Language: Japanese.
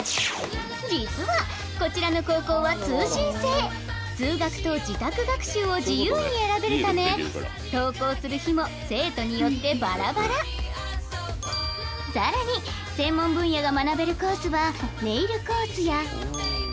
実はこちらの高校は通信制通学と自宅学習を自由に選べるため登校する日も生徒によってバラバラさらに専門分野が学べるコースはなど様々！